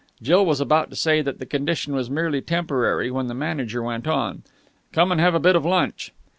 Jill was about to say that the condition was merely temporary when the manager went on. "Come and have a bit of lunch."